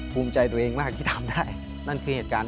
ภูมิใจตัวเองดีใจแบบที่ธามได้